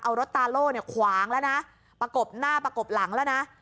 เอารถตาโล่เนี่ยขวางแล้วนะประกบหน้าประกบหลังแล้วนะ